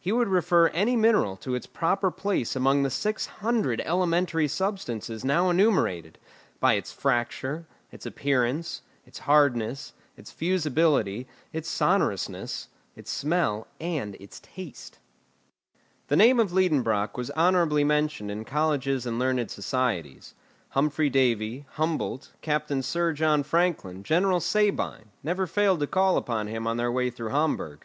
He would refer any mineral to its proper place among the six hundred elementary substances now enumerated, by its fracture, its appearance, its hardness, its fusibility, its sonorousness, its smell, and its taste. The name of Liedenbrock was honourably mentioned in colleges and learned societies. Humphry Davy, Humboldt, Captain Sir John Franklin, General Sabine, never failed to call upon him on their way through Hamburg.